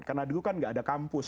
karena dulu kan tidak ada kampus